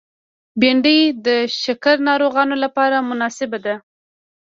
بېنډۍ د شکر ناروغانو لپاره مناسبه ده